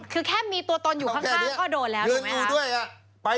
คือแค่มีตัวตนอยู่ข้างก็โดนแล้วถูกไหมครับ